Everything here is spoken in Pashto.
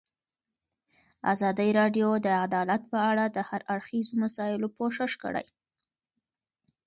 ازادي راډیو د عدالت په اړه د هر اړخیزو مسایلو پوښښ کړی.